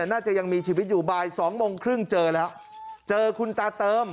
น่าจะไม่มีชีวิตอยู่บ่าย๒โมงครึ่งเจอคุณตาเติม